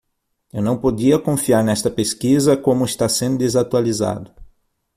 Eu não podia confiar nesta pesquisa como está sendo desatualizado.